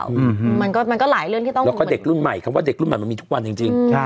อืมมันก็มันก็หลายเรื่องที่ต้องแล้วก็เด็กรุ่นใหม่คำว่าเด็กรุ่นใหม่มันมีทุกวันจริงจริงใช่